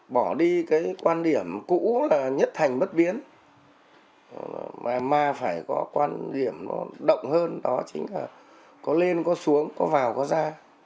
bỏ đi cái quan điểm cũ là nhất thành bất biến mà phải có quan điểm nó động hơn đó chính là có lên có xuống có vào có ra